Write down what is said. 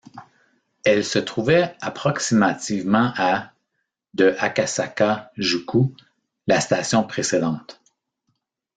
Elle se trouvait approximativement à de Akasaka-juku, la station précédente.